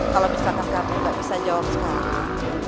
kalau misalkan kakak aku gak bisa jawab sekali